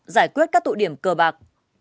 giải quyết các tụ điểm cờ bạc